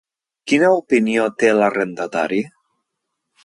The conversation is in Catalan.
Quina opinió té l'arrendatari?